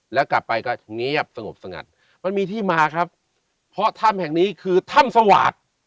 แล้วกลับไปก็เงียบสงบสงัดมันมีที่มาครับเพราะถ้ำแห่งนี้คือถ้ำสวาสตร์